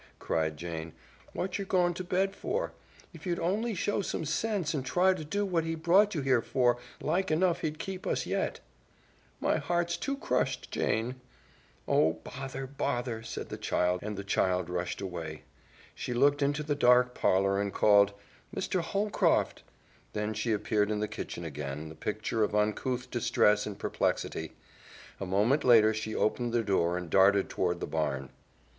cried Jane. "What yer gone to bed for? If you'd only show some sense and try to do what he brought you here for, like enough he'd keep us yet." "My heart's too crushed, Jane " "Oh, bother, bother!" and the child rushed away. She looked into the dark parlor and called, "Mr. Holcroft!" Then she appeared in the kitchen again, the picture of uncouth distress and perplexity. A moment later she opened the door and darted toward the barn.